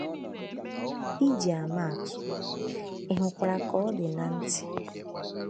Iji maa atụ: ị hụkwara ka ọ dị na ntị